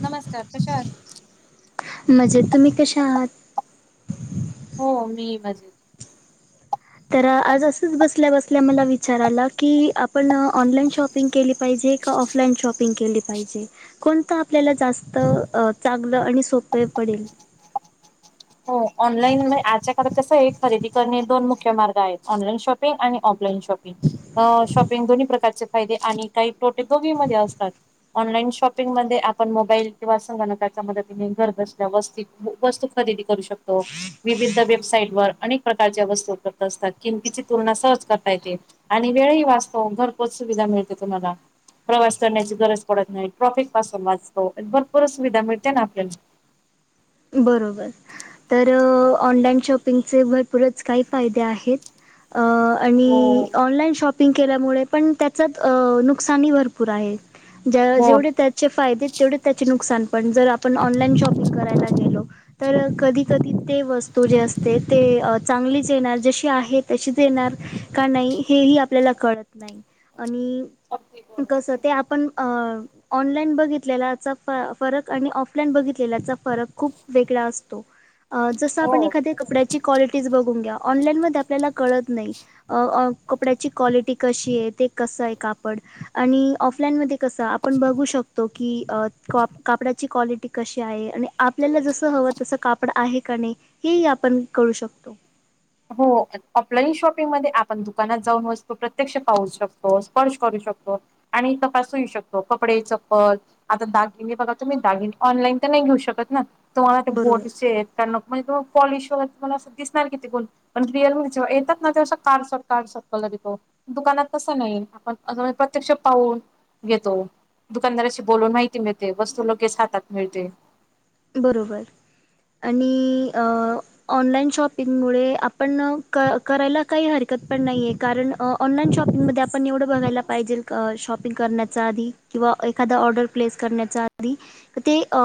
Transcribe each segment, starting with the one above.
नमस्कार, कशा आहात मजेत, तुम्ही कशा आहात? हो मी मजेत. तर आज असंच बसल्या बसल्या मला विचाराला की आपण ऑनलाईन शॉप पिंग केली पाहिजे का ऑफलाईन शॉपिंग केली पाहिजे कोणतं आपल्याला जास्त चांगलं आणि सोपे पडेल? हो ऑनलाईन आजच्या काळात कसं ये खरेदी करणे दोन मुख्य मार्ग आहेत, ऑनलाईन शॉपिंग आणि ऑफलाईन शॉपिंग. अ शॉपिंग दोन्ही प्रकारचे फायदे आणि काही तोटे दोघी मध्ये असतात ऑनलाईन शॉपिंग मध्ये आपण मोबाईल किंवा संगणकाच्या मदतीने घर बसल्या वस्ती वस्तू खरेदी करू शकतो विविध वेबसाईट वर आणि प्रकारच्या वस्तू करत असतात, किमतीची तुलना सहज करता येते आणि वेळही वाचतो, घरपोच सुविधा मिळते तुम्हाला प्रवास करण्याची गरज पडत नाही, ट्रॅफिक पासून वाचतो, भरपूर सुविधा मिळते ना आपल्याला बरोबर तर ऑनलाईन शॉपिंगचे भरपूरच काही फायदे आहेत अ हो आणि ऑनलाईन शॉपिंग केल्यामुळे पण त्याचं नुकसानही भरपूर आहे. हो. जेवढे त्याचे फायदे तेवढे त्याचे नुकसान पण जर आपण ऑनलान शॉपिंग करायला तर कधी कधी ते वस्तू जे असते ते चांगलीच येणार जशी आहेत तशीच येणार का नाही हेही आपल्याला कळत नाही, आणि [unintelligible] कस ते आपण अ ऑनलाईन बघितलेलाचा फरक आणि ऑफलाईन बघितलेलाचा फरक खूप वेगळा असतो, जसं आपण हो. एखादी कपड्याची क्वालिटीज बघून घ्या, ऑनलाईन मध्ये आपल्याला कळत नाही अ कपड्याची क्वालिटी कशीय ते कसंय हाय कापड आणि ऑफलाईन मध्ये कसं आप आपण बघू शकतो की, अ कापडाची क्वालिटी कशी आहे आणि आप आपल्याला जसं हवं तसं कापड आहे का नाही, हेही आपण कळू शकतो हो ऑफलाईन शॉपिंगमध्ये आपण दुकानात जाऊन वस्तू प्रत्यक्ष पाहू शकतो स्पर्श करू शकतो. आणि तपासु ही होऊ शकतो कपडे चप्पल आता दागिने बघा तुम्ही दागिन, ऑनलाईन तर नाही घेऊ शकत ना तुम्हाला ते बरोबर. गोडसे त्यां म्हणजे पॉलिश वगैर तुम्हाला अस दिसणार कि ते गोड पण रिअल मध्ये जेव्हा येतात ना, असं काळसट, काळसट कलर येतो दुकानात तस नाही आजून प्रत्यक्ष पाहून घेतो दुकानदाराशी बोलून माहिती मिळते, वस्तू लगेच हातात मिळते बरोबर आणि अ ऑनलाइन शॉपिंगमुळे आपण करायला काही हरकत पण नाहीय कारण अ ऑनलाइन शॉपिंग मध्ये आपण एवढं बघायला पाहिजेल शॉपिंग करण्याचा आधी किंवा एक एखाद ऑर्डर प्लेस करण्याचा आधी ते अ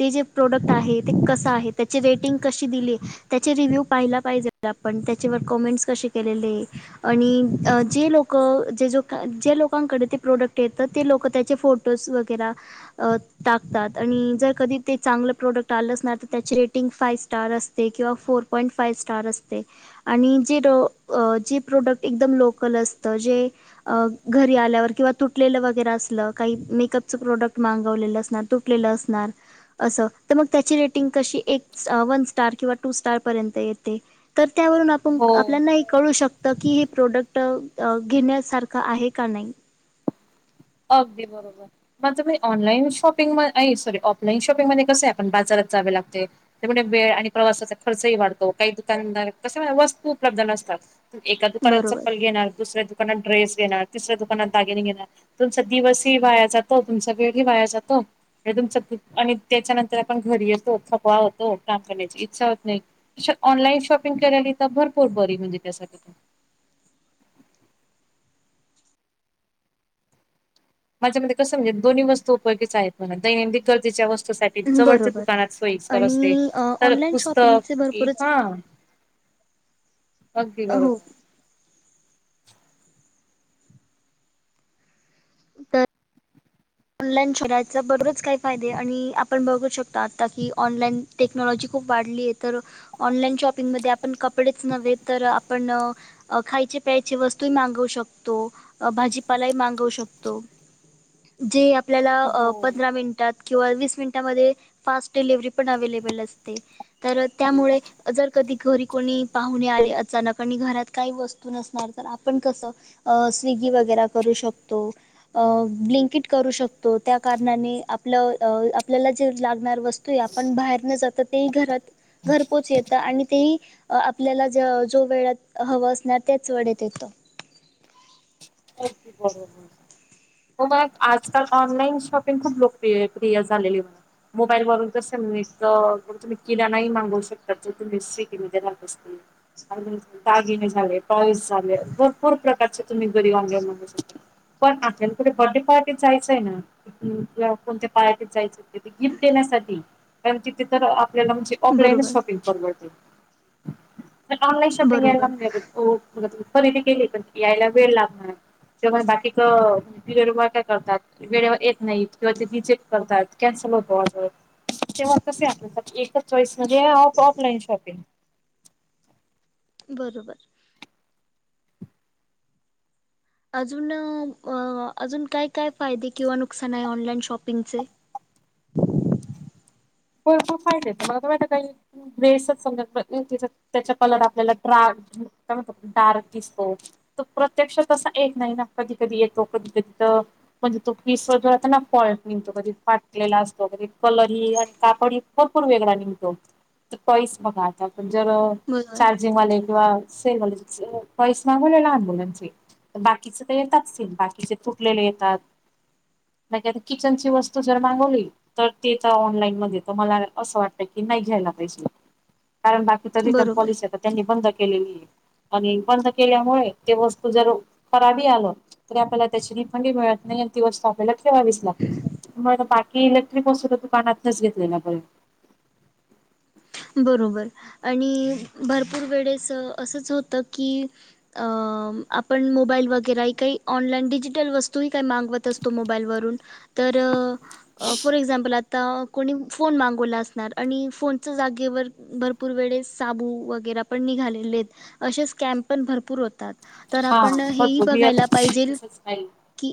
ते जे प्रोडक्ट आहे ते कसं आहे त्याचे रेटिंग कशी दिली त्याचे रिव्ह्यू पाहायला पाहिजे. तेला आपण त्येच्यावर कॉमेंट्स कशे केलेले आणि जे लोकं जे जो जे लोकांकडे ते प्रोडक्ट येतं ते लोक त्याचे फोट फोटोस वगैरा टाकतात आणि जर कधी ते चांगलं प्रोडक्ट आलंच नाही, तर त्याची रेटिंग फाय स्टार असते किंवा फोर पॉईंट फाई स्टार असते आणि जे रो जे प्रोडक्ट एकदम लोकल असतं जे अ घरी आल्यावर किंवा तुटलेलं वगैरे असलं, काही मेकअपच प्रोडक्ट मागवलेलं असणार त फूटलेलं असणार असं तर मग त्याची रेटिंग कशी एक, वन स्टार किंवा टू स्टार पर्यंत येते. तर त्यावरून आपण हो. आपल्याना एक कळू शकत की हे प्रोडक्ट घेण्यासारखं आहे का नाही अगदी बरोबर मग तुम्ही ऑनलाईन शॉपिंग म नाही, सॉरी ऑफलाईन शॉपिंग मध्ये कसंय आपण बाजारात जावे लागते. त्यामुळे वेळ आणि प्रवासाचा खर्चही वाढतो काही दुकानदार कस वस्तू उपलब्ध नसतात. एका दुकानात बरोबर चप्पल घेणार, दुसऱ्या दुकानात ड्रेस घेणार, तिसऱ्या दुकानात दागिने घेणार. तुमचा दिवसही वाया जातो, तुमचा वेळ ही वाया जातो हे तुमच आणि त्येच्यानंतर आपण घरी येतो, थपवा होतो काम करण्याची इच्छा होत नाही. श, ऑनलाईन शॉपिंग करायली तर भरपूर बरी म्हणजे त्यासाठी. माझ्या मते कसं म्हणजे दोन्ही वस्तू उपयोगीच आहेत, म्हणा दैनंदिक गरजेच्या वस्तूसाठी जवळचे बरोबर दुकानात सोईसकर असते, आणि तर ऑनलाइन शॉपिंगचे पुस्तक इ भरपूरच हा [unintelligible] अगदी हो बरोबर तर ऑनलाईन शहराचा बररच काही फायदे आणि आपण बघू शकता आता की ऑनलाइन टेक्नॉलॉजी खूप वाढलीय तर ऑनलाईन शॉपिंगमध्ये आपण कपडेच नव्हे तर आपण अ- खायचे प्यायची वस्तू मागवू शकतो, भाजीपाला मागवू शकतो. जे हो आपल्याला पंधरा मिनिटात किंवा वीस मिनिटामध्ये फास्ट डिलिवर्हरी पण अवे्लेबल असते तर त्यामुळे जर कधी घरी कोणी पाहुणे आले अचानक आणि घरात काही वस्तू नसणार तर आपण कसं अ स्विगी वगैरे करू शकतो ब्लिंकेट करू शकतो त्या कारणाने आपलं आपल्याला जे लागणार वस्तू आपण बाहेर न जाता ते घरात घर पोच येता. आणि तेही आपल्याला जो वेळात हवं असणार तेच वेळेत येतो. बरोबर. मग आजकाल ऑनलाईन शॉपिंग खूप लोकप्रिय प्रिय झालेली म्हणे. मोबाईल वरून कस तुम्ही किराणा ना ही मागवू शकता जो तुम्ही सिटीमध्ये राहत असतील. [unintelligible] भरपूर प्रकारचे तुम्ही घरी आँनलाईन मागवू शकता पण आपल्याला कुठं र्थडे पार्टी जायचं आहे ना, कोणत्या पार्टीत जायच होत, ते गिफ्ट देण्यासाठी कारण तिथे तर आपल्याला म्हणजे ऑफलाईनच बरोबर शॉपिंग परवडत आँनलाईन शापिंग बरोबर ए [unintelligible] हो खरेदी केली मग यायला पण वेळ लागतो. [unintelligible] वेळेवर येत नाहीत किंवा ते रिजेक्ट करतात, कॅन्सल होतो आर्डर. तेव्हा कसे आपल्या एकच चॉईस म्हणजे ऑफलाईन शॉपिंग. बरोबर. अजून अजून काय, काय फायदे किंवा नुकसान आहे ऑनलाइन शॉपिंगचे. हो भरपूर फायदे आहेत मला तर वाटते काही बेसच समजा त्याचा कलर आपल्याला [unintelligible] डार्क दिसतो प्रत्यक्षातसा एक नाही ना कधी कधी येतो कधी कधी तर म्हणजे तो पिस जोता ना फॉल्ट म्हणतो कधी फाटलेला असतो कधी कलरही कापड भरपूर वेगळा निघतो तर [unintelligible] बघा आता पण जर बरोबर. चार्जिंगवाले किंवा सेलवाले वा पॉईस मागवले लहान मुलांचे बाकीचे तर येतात बाकीचे तुटलेले येतात नाही आता किचन ची वस्तू जर मागवली तर ते तर ऑनलाईन म ते तर मला असंच वाटतंय की नाही घ्यायला पाहिजे कारण बरोबर बाकीच्या त्यांनी बंद केलेली आणि बंद केल्यामुळे ते वस्तू जर खराबी आलं तरी आपल्याला त्याची रिफंडी मिळत नाही ती वस्तू आपल्याला ठेवावीच लागते. मग बाकी इलेक्ट्रिक वस्तू तर दुकानातूनच घेतलेल बरं. बरोबर आणि भरपूर वेळेस असंच होतं की अ.. आपण मोबाईल वगैरेही काही ऑनलाईन डिजिटल वस्तू ह काही मागवत असतो मोबाईलवरून तर फॉर एक्झाम्पल आता कोणी फोन मागवला असणार आणि फोन जा केवल भरपूर वेळेस साबू वगैरे पण निघालेले आहेत. असे स्कॅम पण भरपूर होतात तर हा आपण हेही भरपूर मी बघायला पाहिजेल तसंच नाही की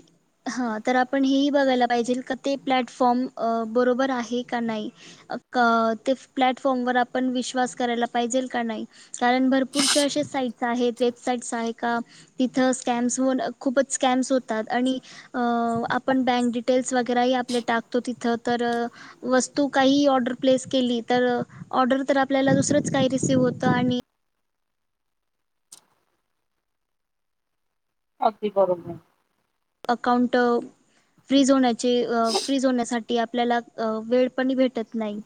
हा तर आपण हेही बघायला पाहिजे का ते प्लॅटफॉर्म अ- बरोबर आहे का नाही. अ.. क.. ते फ्लॅट फॉर्म वर आपण विश्वास करायला पाहिजेल का नाही कारण भरपूरसेे साईट्स आहेत वेबसाइट्स आहे का तिथं स्कॅम्स होन खूपच स्कॅम्स होतात आणि अ.. आपण बँक डिटेल्स वगैरेही आपले टाकतो तिथं तर वस्तू काही ऑर्डर प्लेस केली तर ऑर्डर तर आपल्याला दुसरंच काही रिसिव होतं आणि अगदी बरोबर. अकाउंट फ्रीज होण्याचे अ फ्रीज होण्यासाठी आपल्याला वेळ पण भेटत नाही.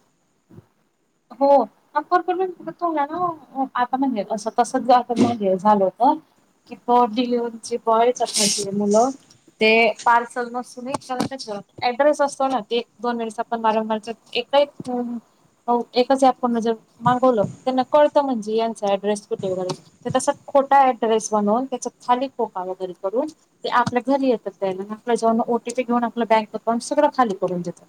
हो. अपार्टमेंट मध्ये असंच झालं ना वो आता म्हणे अस तसच आता हे झाल होत. कि ब डिलिव्हरीचे बॉय त मुलं ते पार्सल नसून त्याच ऍड्रेस असतो ना ते दोन वेळेस आपण वारंवार एक एक एकाच ॲपवरन जर मागवलं त्यांना कळतं म्हणजे यांचा ऍड्रेस कुठे वगैरे तर तसं खोटा ऍड्रेस बनवून त्याचा खाली खोका वगैरे करून ते आपल्या घरी येतात द्यायला आण आपल्या ह्यज्यावरन ओटीपी घेऊन आपलं बँक अकाउंट सगळं खाली करून देतात.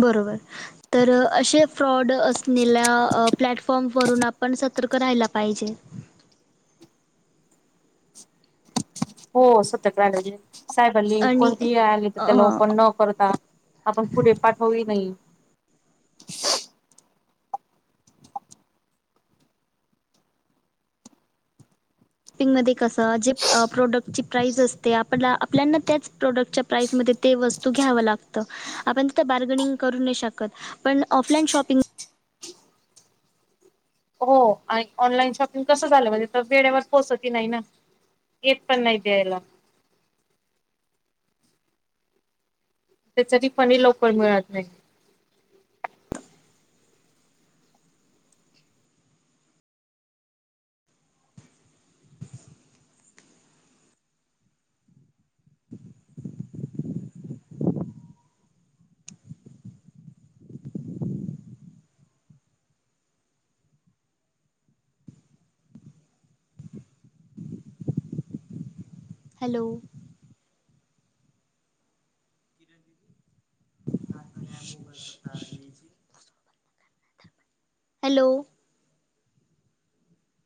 बरोबर तर असे फ्रॉड असलेल्या प्लॅटफॉर्म वरून आपण सतर्क राहायला पाहिजे. हो सतक राहायला पाहिजे सायबर लिंक आणि कोणतिही आली तर अ, त्याला ओपन न करता आपण पुढे पाठवू हि नाही. शिपिंगमध्ये कसं जे प्रोडक्टची प्राईस असते आपल्याला आपल्याना त्याच प्रोडक्टच्या प्राईसमध्ये ते वस्तू घ्यावं लागतं आपण तिथं बार्गनिंग करू नाही शकत. पण ऑफलाईन शॉपिंग हो आणि ऑनलाईन शॉपिंग कसं झालं म्हणजे तर वेळेवर पोहचतही नाही ना येत पण नाही द्यायला. त्याच्या आधी पणी लवकर मिळत नाही. हॅलो. जुन्या मोबाईल ला कार हॅलो.